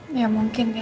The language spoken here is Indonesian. makanya gak bisa tidur